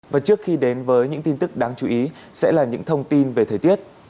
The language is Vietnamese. và trước khi đến với những tin tức đáng chú ý sẽ là những thông tin về thời tiết